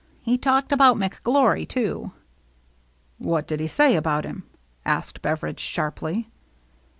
He talked about McGlory, too." " What did he say about him ?" asked Beveridge sharply.